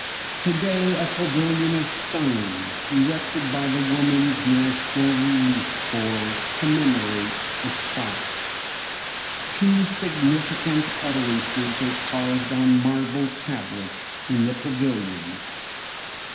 Today a pavilion of stone, erected by the Woman's National Relief Corps, commemorates the spot. Two significant utterances are carved on marble tablets in the pavilion.